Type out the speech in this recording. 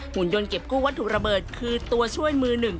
หุ่นยนต์เก็บกู้วัตถุระเบิดคือตัวช่วยมือหนึ่ง